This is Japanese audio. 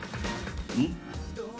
うん？